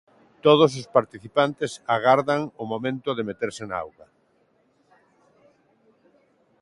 Todos os participantes agardan o momento de meterse na auga.